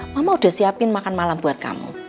mama udah siapin makan malam buat kamu